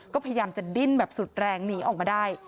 ก็พยายามจะดิ้นแบบสุดแรงหนีออกมาได้